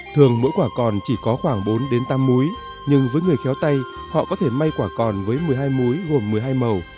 thường mỗi quả còn chỉ có khoảng bốn đến tám múi nhưng với người khéo tay họ có thể may quả còn với một mươi hai muối gồm một mươi hai màu